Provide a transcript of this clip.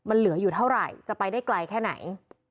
มันเหลืออยู่เท่าไหร่จะไปได้ไกลแค่ไหน